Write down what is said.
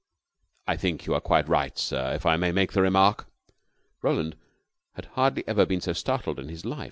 "I think you are quite right, sir if I may make the remark." Roland had hardly ever been so startled in his life.